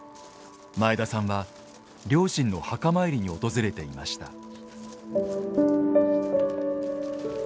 前田さんは両親の墓参りに訪れていました。